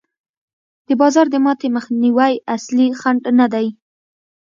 د بازار د ماتې مخنیوی اصلي خنډ نه دی.